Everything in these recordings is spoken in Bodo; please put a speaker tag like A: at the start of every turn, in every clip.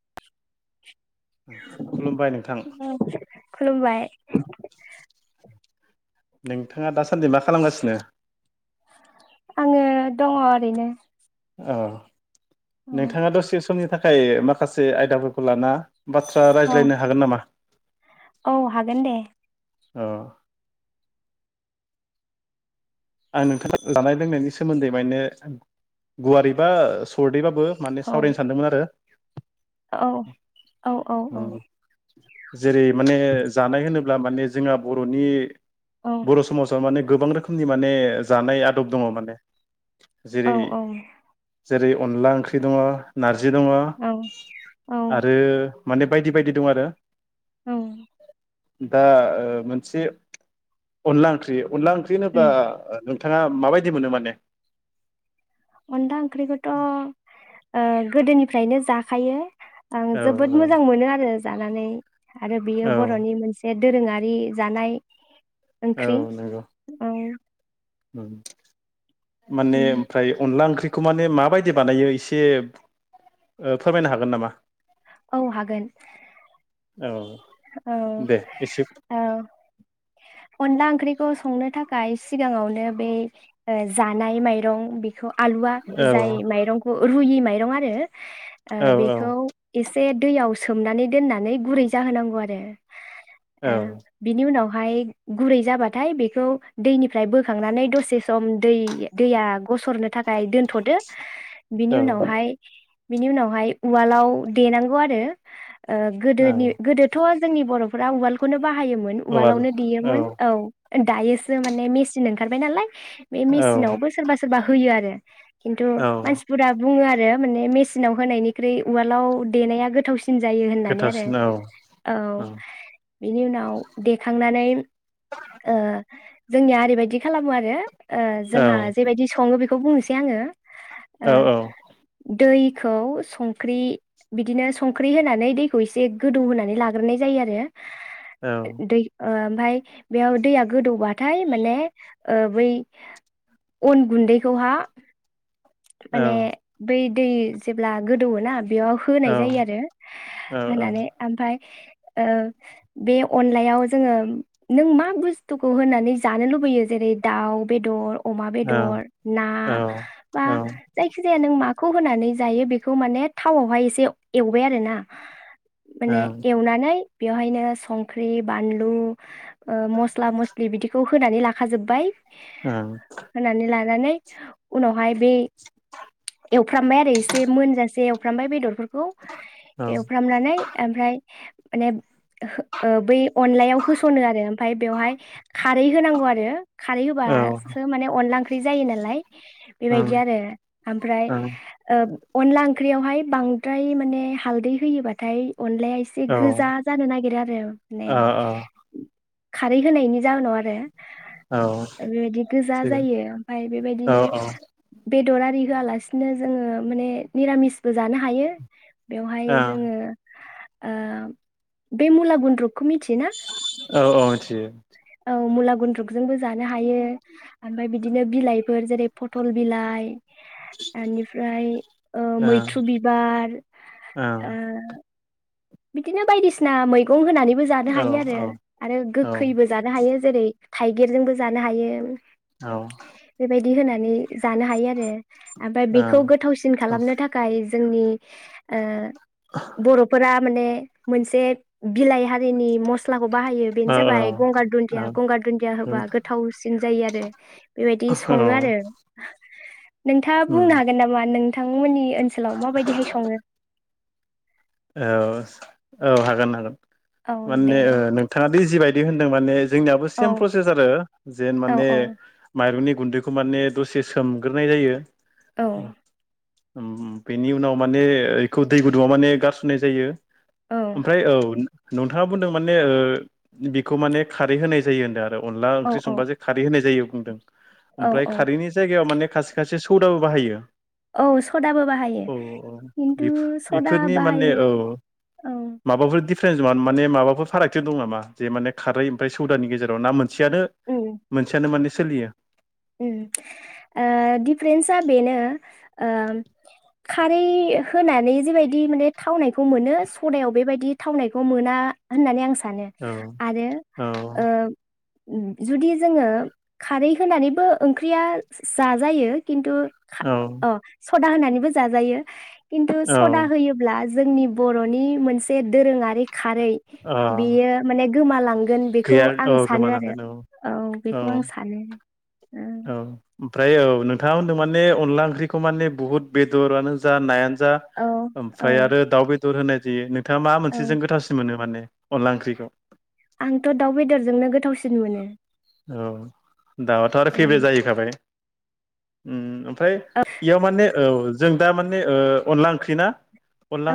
A: [inaudible]
B: खुलुमबाय नोंथां।
A: खुलुमबाय।
B: नोंथाङा दासान्दि मा खालामगासिनो?
A: आङो दङ ओरैनो।
B: औ।
A: औ
B: नोंथाङा दसे सम समनि थाखाय माखासे आयदाफोरखौ लाना बाथ्रा
A: औ
B: रायज्लायनो हागोन नामा?
A: औ हागोन दे
B: अ आं नोंथांनो जानाय लोंनायनि सोमोन्दै माने गुवारै बा सरदैबा बो माने
A: औ
B: सावरायनो सानदोंमोन आरो।
A: औ औ औ औ
B: जेरै माने जानाय होनोब्ला माने जोंहा बर'नि
A: औ
B: बर' समाजाव माने गोबां रोखोमनि हि माने जानाय आदब दंङ माने जेरै
A: औ औ
B: जेरै अनला ओंख्रि दंङ नार जि दंङ
A: औ औ
B: आरो माने बायदि बायदि दं आरो
A: औ
B: दा ओ मोनसे अनला ओंख्रि अनला ओंख्रि बा ओ नों थांङा माबायदि मोनो माने
A: अनला ओंख्रि खौथ ओ गोदोनिफ्रायनो जाखायो। आं
B: औ
A: जोबोद
B: औ
A: मोजां मोनो आरो। जानानै आरो बेयो
B: औ
A: बर'नि मोनसे दोरोंङारि जानाय। ओंख्रि ओं
B: हुम माने
A: उम
B: ओमफ्राय अनला ओंख्रि खौ माने माबायदि बानायो एसे ओ फोरमायनो हागोन नामा?
A: औ हागोन।
B: औ
A: औ
B: दे एसे
A: औ अनला ओंख्रिखौ संनो थाखा य सिगाङावनो बे जानाय माइरं बि बेखौ आलुआ
B: औ
A: जाय माइरंखौ रुयि माइ दं आरो। ओ
B: औ औ
A: बेखौ एसे। दैयाव सोमनानै दोननानै गुरै जाहोनांगौ। गौ आरो। ओ
B: औ
A: बिनि उनाव। बेहाय गुरै जाबाथाय बेखौ दैनिफ्राय बोखांनानै दसे सम दै दैया गसरनो थाखाय दोनथदो बिनि
B: औ
A: उनावहाय बिनि उनावहाय उवालाव देनांगौ आरो। ओ
B: औ
A: गोदोनि गोदो। जोंनि बर'फोरा उवालखौनो । बाहायोमोन
B: उवाल
A: उवालावनो देयोमोन औ। दायोसो माने मेसिन ओंखारबाय नालाय। बे
B: औ
A: मेसिनावबो सोरबा सोरबा होयो आरो। [inaudible] खिनथु
B: औ
A: मानसिफोरा। बुङो आरो माने मेसिनाव होनायनिख्रुइ उवालाव देनाया गोथावसिन। सिन जायो होननानै आरो।
B: गोथावसिन औ
A: औ बिनि उनाव देखांनानै जोंनिया ओरैबायदि खालामो आरो। ओ
B: औ
A: जोंहा जेबायदि सङो बे बेखौ बुंनोसै आङो।
B: औ
A: ओह दैखौ संख्रि बिदिनो संख्रि होनानै दैखौ एसे गोदौ होनानै लाग गोरनाय जायो
B: औ
A: आरो। दै ओ ओमफ्राय बेयाव दैया गोदौबाथाय माने बै अन गुन्दैखौहा
B: औ
A: माने बै दै जेब्ला गोदौवोना बेयाव होनाय जायो
B: औ
A: आरो
B: औ
A: होनानै ओमफ्राय ओ बे अनलायाव जोङो नों मा बुस्थुखौ होनानै जानो लुबैयो जेरै दाउ बेदर। अमा बेदर ना बा जायखि जाया नों मा बेखौ होनानै जायो बेखौ माने थावआवहाय एसे एवबाय आरो ना।
B: ओं।
A: जानाय बेवहाय संख्रि बानलु मस्ला मस्लि बिदिखौ फोनानै लाखाजोब्बाय होनानै लानानै उनावहाय बे एवफ्रामबाय आरो एसे मोनजासे एवफ्रामबाय बेदरफोरखौ बेखौ एवफ्रामनानै ओमफ्राय माने बै अनलायाव होसनो आरो ओमफ्राय बेवहाय खारै होनांगौ आरो खारै होबासो माने अनला ओंख्रि ख्रि जायो नालाय
B: औ
A: बेबायदि आरो ओमफ्राय
B: औ औ
A: अनला ओंख्रियावहाय बांद्राय माने हालदै होयोबाथाय अनलाया एसे
B: औ
A: गोजा जानो नागिरो आरो माने
B: औ
A: खारै होनायनि जाहोनाव आरो
B: औ
A: बेबायदि गोजा
B: थिग
A: जायो ओमफ्राय
B: औ
A: बेबायदिनो बेदर आरि होआलासिनो जोङो माने निरामिसबो जानो हायो बेवहाय
B: औ
A: जोङो बे मुला गुन्द्रुप
B: औ औ मिथियो
A: गुन्द्रुकजोंबो जानो हायो ओमफ्राय बिदिनो बिलाइफोर जेरै फटल बिलाइ बेनिफ्राय
B: ओं
A: मैथ्रु बिबार
B: ओं
A: बिदिनो बायदिसिना मैगं होनानै बो जानो
B: औ
A: हायो आरो
B: औ औ
A: आरो
B: औ ओं
A: गोखैबो जानो हायो जेरै थाइगिरजोंबो जानो हायो
B: औ
A: दि होनानै जानो हायो आरो ओमफ्राय
B: औ
A: बेखौ गोथावसिन खालामनो थाखाय जोंनि ओ बर'फोरा माने मोनसे बिलाइ हारिनि मस्ला बाहायो बेनो जाबाय गंगार दुन्दिया गंगार दुन्दिया होबा गोथावसिन जायो आरो बेबायदि सङो
B: औ
A: आरो नोंथाङा
B: उम
A: बुंनो हागोन नामा नों बिथांमोननि ओनसोलाव माबायदिहाय सङो?
B: औ औ हागोन हागोन।
A: औ दे
B: माने ओ नोंथाङा दि जिबाय दि होनदों माने जोंनियाबो
A: औ
B: सेम प्रसेस आरो जे
A: औ
B: माने
A: औ
B: माइरंनि गुन्दैखौ माने दसे सोमग्रोनाय जायो
A: औ
B: उम उम बेनि उनाव माने एखौ दै गुदुंआ माने गार नाय जायो।
A: औ
B: ओमफ्राय औ नोंथाङा बुंदों माने ओ बिखौ माने खारै होनाय जायो होनदों आ ओ अनला ओंख्रि
A: औ
B: संबाजे खारै होनाय जायो बुंदों
A: औ
B: ओमफ्राय
A: औ
B: खारैनि जायगायाव माने खासे खासे सौदाबो बाहायो
A: औ सदाबो बाहायो
B: औ
A: खिन्थु सदा बाहाय
B: ए औ माबाफोर दि सेजवान माने माबाफोर फारागथि दं नामा जे माने खारै ओमफ्राय सौदानि गेजेराव ना मोन सेयानो
A: उम
B: मोनसेयानो माने सोलियो
A: उम ओ दिफारेन्सा बेनो ओ खारै होनानै जेबायदि माने थावनायखौ मोनो सदायाव बेबायदि थावनायखौ मोना होननानै आं सा सानो
B: औ
A: आरो
B: औ
A: ओ उम जुदि जोङो खारै होनानै बो ओंख्रिया जाजायो खुनथु खा
B: औ
A: अ' सदा होनानैबो जाजायो । किन्थु
B: औ
A: सदा होयोब्ला जोंनि बर'नि मोनसे दोरोङारि खारै
B: अ
A: बेयो माने गोमालां गोन बेखौ
B: गैया
A: आं
B: औ
A: सानो आरो
B: गोमालांगोन
A: औ बेखौ आं सानो ।
B: औ ओमफ्राय औ नोंथाङा होनदों माने अनला ओंख्रिखौ माने बुहुत बेदरानो जा नायानो जा
A: औ औ
B: ओमफाय आरो दाउ बे दोर होनाय जायो नोंथाङा मा
A: औ
B: मोनसेजों गोथावसिन मोनो माने अनला ओंख्रिखौ
A: आंथ' दाउ बेदरजोंनो गोथावसिन मोनो ।
B: औ दाउआथ' आरो फेबो जाहैखाबाय उम ओम फ्राय इयाव माने औ जों दा माने ओ अनला ओंख्रि ना अनला
A: औ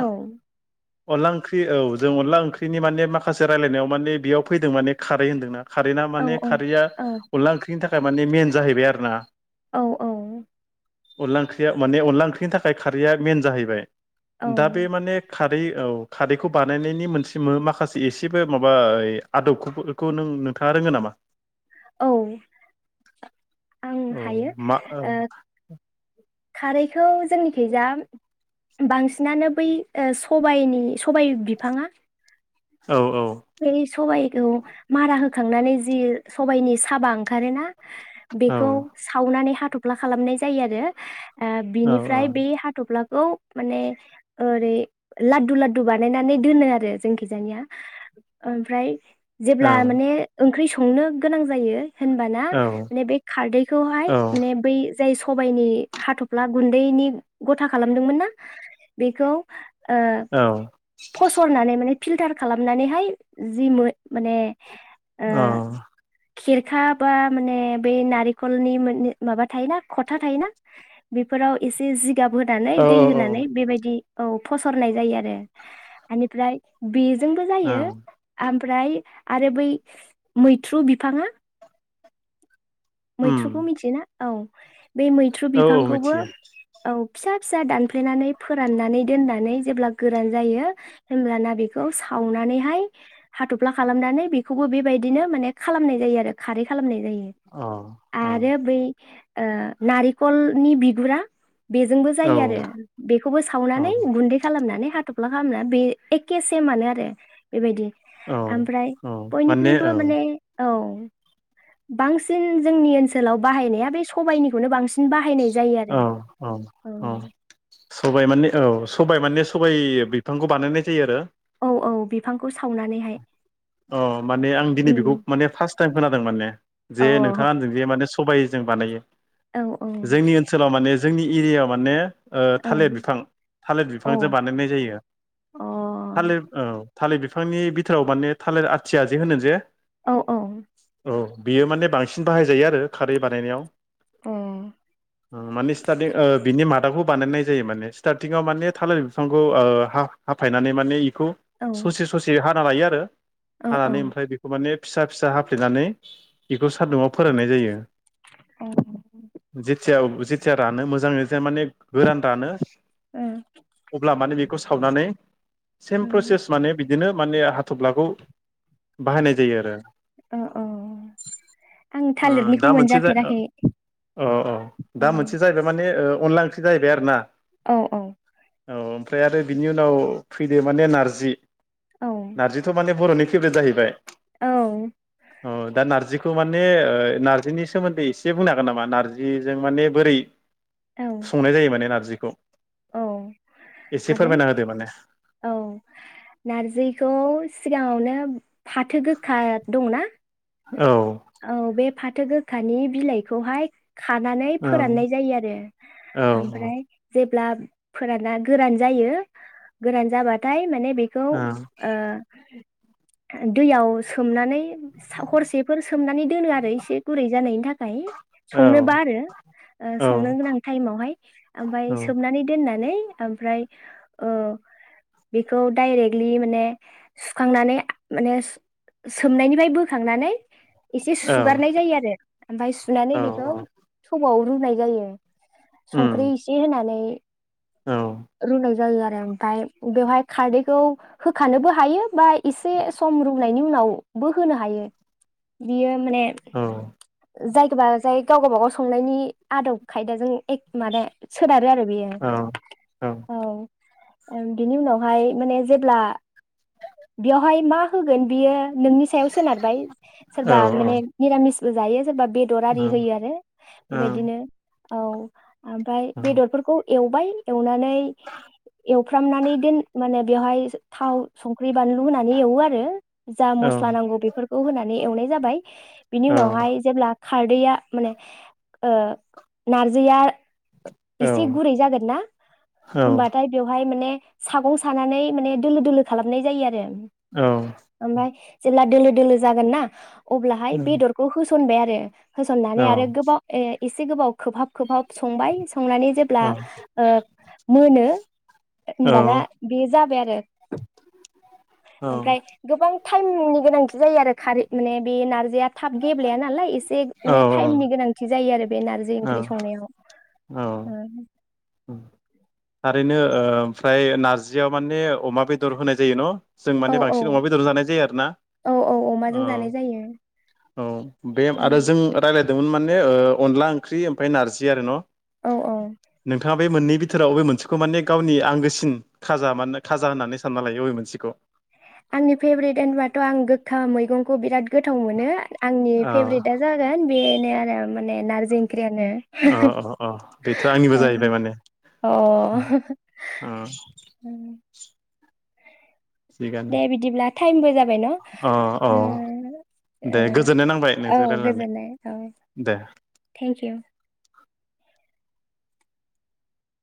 B: अनला ओंख्रि औ जों अनला ओंख्रिनि माने माखासे रायलायनायाव माने बेयाव फैदों माने खारै होन्दोंना खारैना
A: औ
B: माने खारैया
A: औ
B: अनला ओंख्रिनि थाखा थारमाने मेन जाहैबाय आरो ना
A: औ औ
B: अनला ओंख्रिया माने अनला ओंख्रिनि थाखाय खारैया मेन जाहैबाय
A: औ
B: दा बे माने खा खारै औ खारैखौ बानायनायनि मोनसे मो माखासे एसेबो माबा ओइ आदबखोफोरखौ नों नोंथाङा रोङो नामा?
A: औ आं
B: औ
A: हायो
B: मा औ
A: ओ खारैखौ जोंनिखै जा बांसिनानो बै ओ सबायनि सबाय बिफाङा
B: औ औ
A: बे सबाय औ मारा होखांनानै जि सबायनि साबा ओंखारोना
B: औ
A: बेखौ सावनानै हा थ'फ्ला खालामनाय जायो आरो ओ
B: औ
A: बिनिफ्राय
B: औ
A: बे हाथ'फ्ला खौ माने ओरै लाददु लाददु बानायनानै दोनो आरो जोंखिजानिया ओमफ्राय
B: औ
A: जेब्ला माने ओंख्रि संनो गोनां जायो होनबाना
B: औ
A: माने बे खारदैखौहाय
B: औ
A: माने बै जाय सबायनि हाथ'फ्ला गुन्दैनि गथा खालामदोंमोनना बेखौ ओ फसरनानै माने फिल्टार खालामनानैहाय जि मो माने
B: ओ
A: खेरखा बा माने बै नारेंखलनि मोन माबा थायोना खथा थायोना बेफोराव एसे जि गाब होनानै
B: औ
A: दै
B: ओं
A: होनानै बेबायदि औ फसरनाय जायो आरो एनिफ्राय बि जोंबो जायो। ओमफ्राय आरो बै मैथ्रु बिफाङा
B: उम
A: मैथ्रुखौ मिथियोना औ बे मैथ्रु
B: औ औ
A: बिफांखौबो
B: मिथियो
A: औ फिसा फिसा दानफ्लेनानै फोराननानै दोननानै जेब्ला गोरान जायो होमब्लाना बेखौ सावनानैहाय हाथ'फ्ला खालामनानै बेखौबो बेबायदिनो माने खालामनाय जायो आरो खारै खालामनाय जायो
B: औ औ
A: आरो बै ओ नारेंखलनि बिगुरा बेजोंबो जायो
B: औ
A: आरो बेखौबो
B: औ
A: सावनानै गुन्दै खालामनानै हाथ'फ्ला खालामना बे एखे सेमानो आरो बेबायदि आमफ्राय
B: औ माने
A: बयनिख्रुइबो
B: औ
A: माने औ बांसिन जोंनि ओनसोलाव बाहायनाया बे सबायाइनिखौनो बांसिन बाहायनाय जायो
B: औ
A: आरो
B: औ औ सबाइ माने औ सबाइ माने सबाइ बिफांखौ बानायनाय जायो आरो
A: औ औ बिफांखौ सावनानैहाय
B: अ माने आं दिनै बेखौ
A: उम
B: माने फास्ट टाइम खोनादों माने
A: औ
B: जे नोंथाङा होनदों जे माने स सबाइ जों बानायो
A: औ
B: जोंनि ओनसोलाव माने जोंनि एरिया माने ओ
A: औ
B: थालिर बिफां थालिर
A: औ
B: बिफांजों बानायनाय जायो। थालिर
A: अ
B: औ थालिर बिफांनि बिथोराव माने थालिर आथिया जे होनो जे
A: औ औ
B: औ बियो माने बांसिन बाहायजायो आरो खारै बानायनायाव
A: अ
B: ओम माने स्टादि ओ बिनि माथ यावबो बानायनाय जायो माने स्थारथिंयाव माने थालेर बिफांखौ ओ हा-हाफायनानै माने इ खौ
A: औ
B: ससे ससे हा ना लायो आरो
A: औ
B: हानानै
A: औ
B: ओमफाय बेखौ माने फिसा फिसा हाफ्लेनानै बेखौ सान्दुंआव फोराननाय जायो। जेथिआ जिथिया रानो मोजाङै माने गोरान रानो
A: अ
B: अब्ला माने बे खौ सावनानै
A: ओ
B: सेम प्रसेस माने बि दिनो माने हाथब्लाखौ बाहायनाय जायो आरो।
A: औ औ आं
B: ओ
A: थालिरनिखौ
B: दा मोनसे जा ओ
A: मोनजाफेराखै
B: अह अह
A: औ
B: दा मोनसे जाहैबाय माने ओ अनला ओंख्रि जाहैबाय आरो ना।
A: औ औ।
B: औ ओमफ्राय आरो बिनि उनाव फैदो माने नारजि।
A: औ
B: नारजिथ' माने बर'नि फेब्रेथ जाहैबाय। अह दा नारजि खौ माने ओ नार्जिनि सोमोन्दै एसे बुंनो हागोन नामा नारजिजों माने बोरै
A: औ
B: संनाय जायो माने नारजि खौ।
A: औ हागोन
B: होदो माने
A: औ नारजिखौ सिगाङावनो फाथो गोखा दंना?
B: औ।
A: औ बे फाथो गोखानि बिलाइखौहाय खानानै
B: औ
A: फोराननाय जायो आरो
B: औ
A: ओमफ्राय जेब ब्ला फोराना गोरान जायो गोरान जाबाथाय माने बेखौ ओ दैयाव सोमनानै सा हरसेफोर सोमनानै दोनो आरो एसे गुरै जानायनि थाखाय
B: औ
A: संनोबा आरो ओ
B: औ औ
A: संनो गोनां टाइमावहाय ओमफाय
B: थारैनो
A: सोबनानै दोन होननानै ओमफ्राय ओ बेखौ डाइरेक्टलि माने सुखांनानै माने सोमनायनिफाय बोखांनानै एसे सुगारनाय जायो आरो ओमफाय सुनानै बेखौ थौ वाव रुनाय जायो। संख्रि इसे होनानै रुनाय जायो आ ओमफाय बेवहाय खारदैखौ होखानोबो हायो बा एसे सम रुनायनि उनावबो होनो हायो। बियो माने जायगाबा जाय गावबा गाव संनायनि आदब खायदाजों एक माने सोनारो आरो बियो औ बिनि उनावहाय माने जेब्ला बेयावहाय मा होगोन बियो नोंनि सायाव सोनारबाय सोरबा माने निरामि स बो जायो। सोरबा बेदर आरि होयो आरो बेबायदिनो औ ओमफ्राय बेदरफोरखौ एवबाय एवनानै एवफ्रामनानै दोन माने बेवहाय थाव संख ख्रि बानलु होनानै एवो आरो जा मस्ला नांगौ बेफोरखौ होना नै एवनाय जाबाय बिनि उनावहाय जेब्ला खारदैया माने ओ नारजैया एसे गुरै जागोनना होमबाथाय बेवहाय माने सागं सानानै माने दोलो-दोलो खालामनाय जायो आरो। ओमफाय जेब्ला दोलो-दोलो जागोन ना अब्लाहाय बेदरखौ होस न खुनबाय आरो। होसननानै आरो गोबाव ए एसे गोबाव खोबहाब-खोबहाब संबाय संनानै जेब्ला ओ मोनो ओमबाना बि जाबाय आ रो ओमफ्राय गोबां टाइमनि गोनांथि जायो आरो। खारै माने बे नारजिया थाब गबलेया नालाय एसे बे माने
B: ओ
A: टाइमनि गोनां थि जायो आरो बे नारजि ओंख्रि संनायाव ओ
B: ओरैनो ओमफ्राय नारजियाव माने अमा बेदर होनाय जायो न जों
A: औ
B: माने
A: औ
B: बांसिन अमा बेदर जानाय जायो आरोना
A: औ औ
B: ओ
A: अमाजों जानाय जायो
B: औ बे आरो जों रायलाय मोन माने अनला ओंख्रि ओमफ्राय नारजि आरो न'
A: औ औ
B: [inaudible] नोंथाङा बे मोननै बिथोराव बे मोन मोनसेखौ माने गावनि आंगोसिन खाजा मान खाजा होननानै सानना लायो बबे मोनसेखौ?
A: आंनि थ' बिराद गोथाव मोनो आंनि
B: अ
A: फेब्रेटआ जागोन बेनो आरो माने नारजै
B: अ अ अ बेथ' आंनिबो जाहैबाय
A: [unintelligible]
B: माने
A: अ
B: अ
A: [unintelligible]
B: थिगानो
A: दे बिदिब्ला टाइमबो जाबाय न'
B: अ अ दे गोजोननाय नांबाय
A: औ
B: नोंजों रायलायनानै
A: गोजोननाय औ
B: दे
A: थेंक इउ